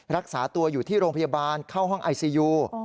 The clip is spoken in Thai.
รักษาตัวอยู่ที่โรงพยาบาลเข้าห้องไอซียู